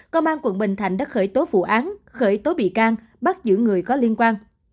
công an quận bình thạnh đã khởi tố vụ án khởi tố bị can bắt giữ người có liên quan